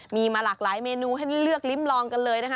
มีมาหลากหลายเมนูให้เลือกลิ้มลองกันเลยนะคะ